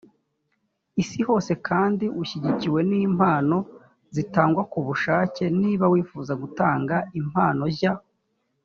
isi hose kandi ushyigikiwe n impano zitangwa ku bushake niba wifuza gutanga impano jya